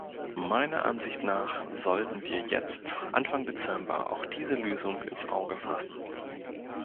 Meiner Ansicht nach sollten wir jetzt, Anfang Dezember, auch diese Lösung ins Auge fassen.